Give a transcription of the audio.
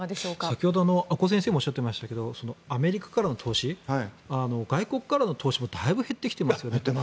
先ほどの阿古先生もおっしゃっていましたけどアメリカからの投資外国からの投資もだいぶ減ってきていますよね。